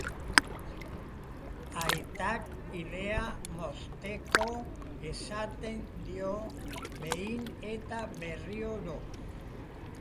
Aitak ilea mozteko esaten dio behin eta berriro.